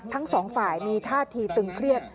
ทั้งสองฝ่ายมีท่าทีตึงเครียด